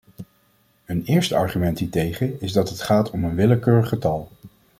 Een eerste argument hiertegen is dat het gaat om een willekeurig getal.